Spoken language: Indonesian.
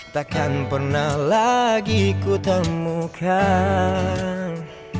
takkan pernah lagi ku temukan